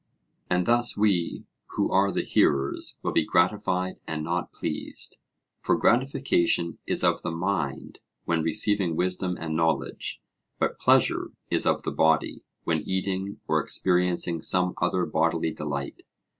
And thus we who are the hearers will be gratified and not pleased; for gratification is of the mind when receiving wisdom and knowledge, but pleasure is of the body when eating or experiencing some other bodily delight.